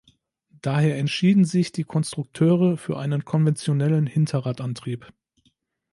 Daher entschieden sich die Konstrukteure für einen konventionellen Hinterradantrieb.